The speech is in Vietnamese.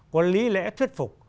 có lý lẽ thuyết phục